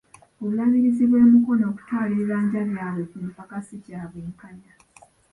Obulabirizi bw'e Mukono okutwala ebibanja byabwe ku mpaka, ssi kya bwenkanya.